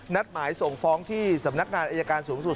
หมายส่งฟ้องที่สำนักงานอายการสูงสุด